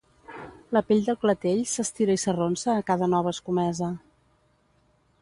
La pell del clatell s'estira i s'arronsa a cada nova escomesa.